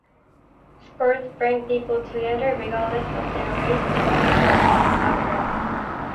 Sports bring people together regardless of their race, gender, or economic background.